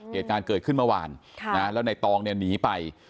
เหตุการณ์เกิดขึ้นเมื่อวานแล้วในตองเนี่ยหนีไป